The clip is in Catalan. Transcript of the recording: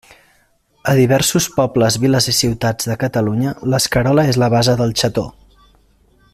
A diversos pobles, viles i ciutats de Catalunya l'escarola és la base del Xató.